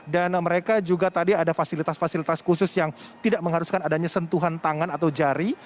dan mereka juga tadi ada fasilitas fasilitas khusus yang tidak mengharuskan adanya sentuhan tangan atau jari